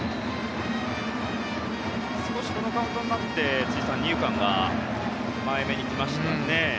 少しこのカウントになって二遊間が前めに来ましたね。